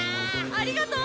ありがとう！